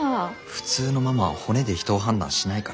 普通のママは骨で人を判断しないから。